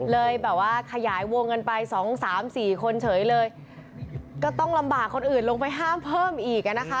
เลยแบบว่าขยายวงกันไปสองสามสี่คนเฉยเลยก็ต้องลำบากคนอื่นลงไปห้ามเพิ่มอีกอ่ะนะคะ